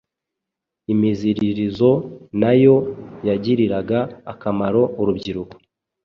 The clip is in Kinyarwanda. Imiziririzo na yo yagiriraga akamaro urubyiruko,